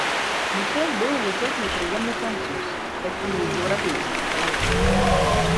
Мішэль быў высокі і прыемны француз, такі еўрапейскі чалавек.